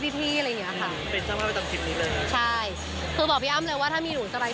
คือบอกพี่อ้ำเลยว่าถ้ามีหนูจะใบใจได้อะไรอย่างนี้